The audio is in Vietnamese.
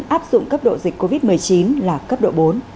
áp dụng cấp độ dịch covid một mươi chín là cấp độ bốn